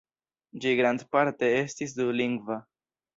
Ĝi grandparte estis dulingva.